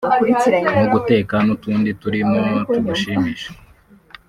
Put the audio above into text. nko guteka n’utundi turimo tugushimisha